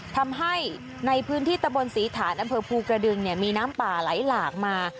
ทำให้ในพื้นที่ตะบนศรีฐานอำเภอภูกระดึงมีน้ำป่าไหลหลากมา